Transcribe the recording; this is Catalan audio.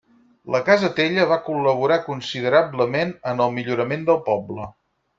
La casa Tella va col·laborar considerablement en el millorament del poble.